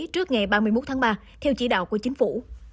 trước ngày ba mươi một tháng ba theo chỉ đạo của chính phủ